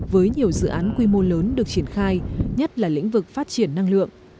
với nhiều dự án quy mô lớn được triển khai nhất là lĩnh vực phát triển năng lượng